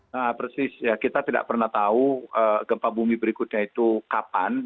nah persis ya kita tidak pernah tahu gempa bumi berikutnya itu kapan